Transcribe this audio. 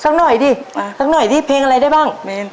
สักหน่อยดิมาสักหน่อยสิเพลงอะไรได้บ้างเมน